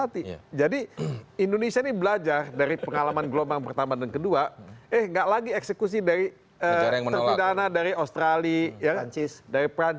terima kasih pak